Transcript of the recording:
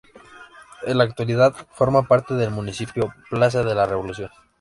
En la actualidad forma parte del municipio Plaza de la Revolución.